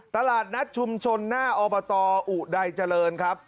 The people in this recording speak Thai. ตลาดนัดชุมชนณออับบาตาอุไดเจริญครับ